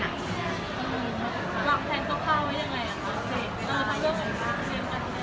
หวังแทนเขาเข้าไว้ยังไง